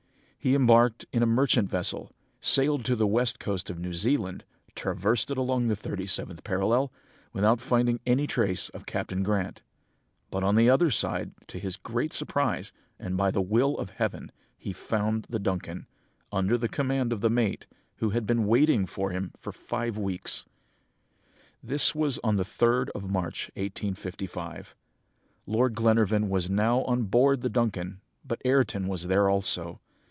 He embarked in a merchant vessel, sailed to the west coast of New Zealand, traversed it along the thirty seventh parallel, without finding any trace of Captain Grant; but on the other side, to his great surprise, and by the will of Heaven, he found the Duncan, under command of the mate, who had been waiting for him for five weeks! "This was on the 3rd of March 1855. Lord Glenarvan was now on board the Duncan, but Ayrton was there also.